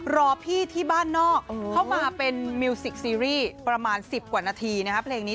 รอพี่ที่บ้านนอกเข้ามาเป็นมิวสิกซีรีส์ประมาณ๑๐กว่านาทีนะครับเพลงนี้